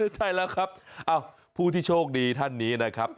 ใช่แล้วครับผู้ที่โชคดีท่านนี้นะครับ